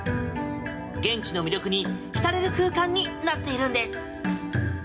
現地の魅力に浸れる空間になっているんです。